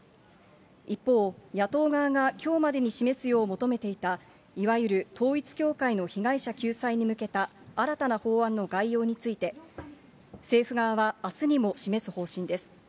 一方、野党側がきょうまでに示すよう求めていた、いわゆる統一教会の被害者救済に向けた新たな法案の概要について、政府側はあすにも示す方針です。